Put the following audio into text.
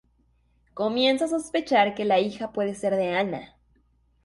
Comienza a sospechar que la hija puede ser de Ana.